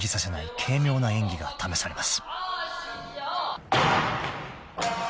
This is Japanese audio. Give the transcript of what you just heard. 軽妙な演技が試されます］